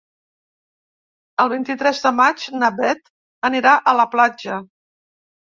El vint-i-tres de maig na Beth anirà a la platja.